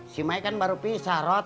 si maek kan baru pisah rot